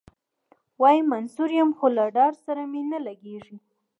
وايي منصور یم خو له دار سره مي نه لګیږي.